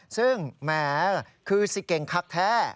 ซึ่งแหมคือสิเก่งคักแท้